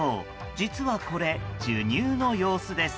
実はこれ、授乳の様子です。